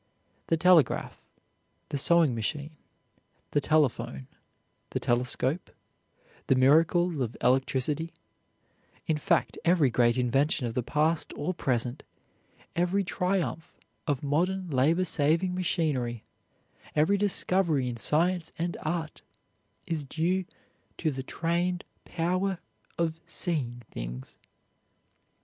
The telegraph, the sewing machine, the telephone, the telescope, the miracles of electricity, in fact, every great invention of the past or present, every triumph of modern labor saving machinery, every discovery in science and art, is due to the trained power of seeing things.